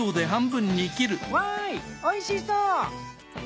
わいおいしそう！